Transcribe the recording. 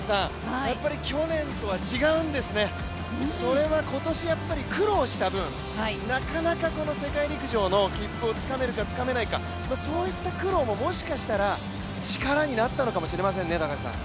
去年とは違うんですね、それは今年苦労した分、なかなか世界陸上の切符をつかめるかつかめないかそういった苦労ももしかしたら力になったのかもしれませんね。